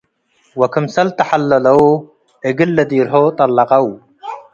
ወክምሰል ተሐለለው እግል ለዲርሆ ጠለ'ቀው።